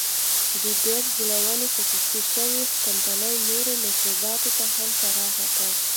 د بیر جوړونې خصوصي شوې کمپنۍ نورو مشروباتو ته هم پراخ کړ.